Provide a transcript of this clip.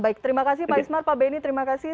baik terima kasih pak ismar pak benny terima kasih